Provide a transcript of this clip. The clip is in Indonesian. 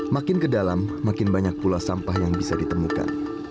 makin ke dalam makin banyak pula sampah yang bisa ditemukan